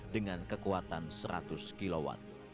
dengan kekuatan seratus kw